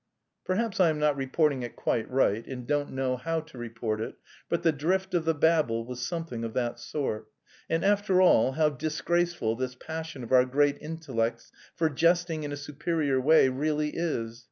Perhaps I am not reporting it quite right and don't know how to report it, but the drift of the babble was something of that sort. And after all, how disgraceful this passion of our great intellects for jesting in a superior way really is!